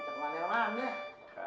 tuh mantep sama nelan ya